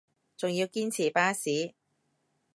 仲要堅持巴士